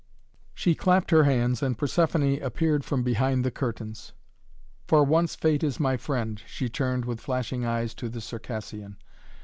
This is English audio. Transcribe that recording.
She clapped her hands and Persephoné appeared from behind the curtains. "For once Fate is my friend," she turned with flashing eyes to the Circassian.